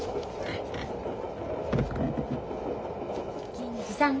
・銀次さん